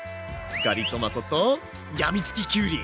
ガリトマトとやみつききゅうり！